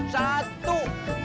eh satu